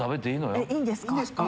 えっいいんですか？